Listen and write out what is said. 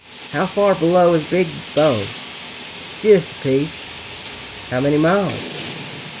"How far below is Big Bone?" "Jist a piece!" "How many miles?"